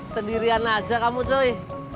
sendirian aja kamu cuy